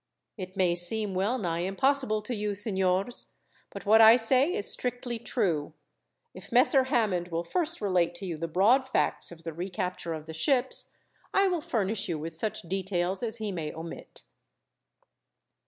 "It may seem well nigh impossible to you, signors, but what I say is strictly true. If Messer Hammond will first relate to you the broad facts of the recapture of the ships, I will furnish you with such details as he may omit."